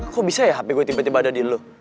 kok bisa ya hp gue tiba tiba ada di lu